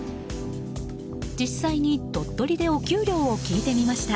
実際に鳥取でお給料を聞いてみました。